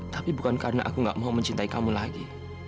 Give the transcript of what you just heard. tapi bukan karena aku gak mau mencintai kamu lagi